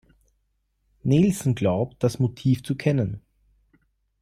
Nelson glaubt, das Motiv zu kennen.